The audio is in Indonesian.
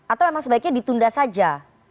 atau memang sebaiknya ditunda saja